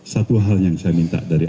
satu hal yang saya minta dari